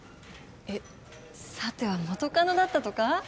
えっさては元カノだったとか？